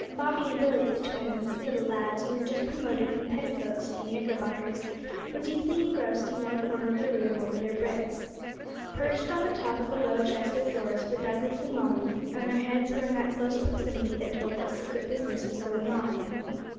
Bobby and Billy, the twins, little lads only just promoted from petticoats to knickerbockers, were deeply engrossed in one corner of the room over their bricks. Perched on the top of a low chest of drawers were Douglas and Molly, and their heads were in that close proximity that told that secret business was going on.